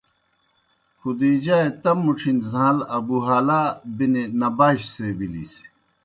خدیجہؓ اےْ تم مُڇِھݨی زہان٘ل ابو ہالہ بن نباش سے بِلِس؟